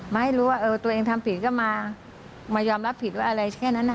มาให้รู้ว่าตัวเองทำผิดก็มายอมรับผิดว่าอะไรแค่นั้น